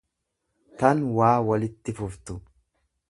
tan waa walitti fuftu.